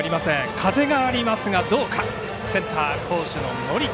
風がありますがどうかセンター好守の森田。